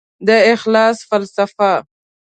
د اخلاص فلسفه